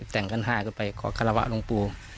แต่งขันห้าไปขอฆาวะลงปู่